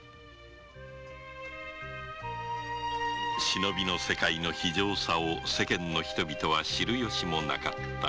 忍びの世界の非情さを世間の人々は知るよしもなかった。